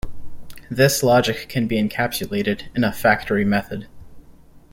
This logic can be encapsulated in a factory method.